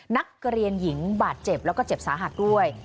นักเรียนหญิงบาดเจ็บแล้วก็เจ็บสาหัสด้วย